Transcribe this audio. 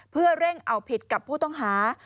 เพื่อเร่งเอาผิดกับผู้ต้องหา